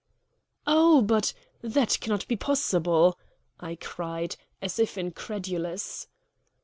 "Oh, but that cannot be possible," I cried, as if incredulous.